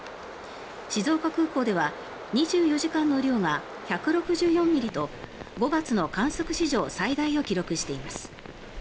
静岡空港では２４時間の雨量が１６４ミリと５月の観測史上最大を記録しています。